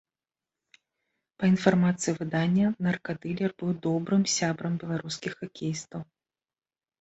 Па інфармацыі выдання, наркадылер быў добрым сябрам беларускіх хакеістаў.